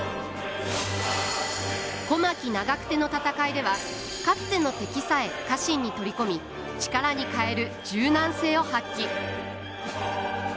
小牧・長久手の戦いではかつての敵さえ家臣に取り込み力に変える柔軟性を発揮。